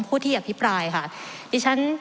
ผู้ที่อภิปรายค่ะดิฉัน